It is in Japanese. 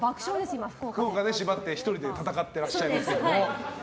福岡で縛って１人で戦ってらっしゃると。